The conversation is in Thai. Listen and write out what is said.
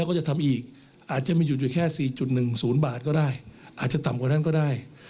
ค่อยทำที่อีกอย่างอะไรที่ทำได้